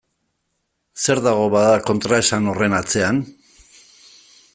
Zer dago, bada, kontraesan horren atzean?